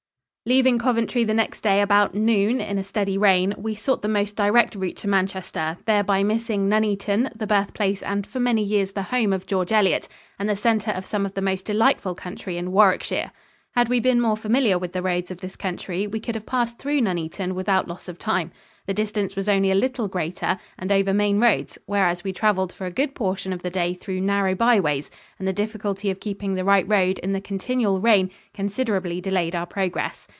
Leaving Coventry the next day about noon in a steady rain, we sought the most direct route to Manchester, thereby missing Nuneaton, the birthplace and for many years the home of George Eliot and the center of some of the most delightful country in Warwickshire. Had we been more familiar with the roads of this country, we could have passed through Nuneaton without loss of time. The distance was only a little greater and over main roads, whereas we traveled for a good portion of the day through narrow byways, and the difficulty of keeping the right road in the continual rain considerably delayed our progress.